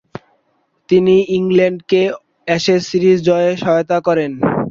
তিনি ইংল্যান্ডকে Ashes series জয়ে সহায়তা করেন।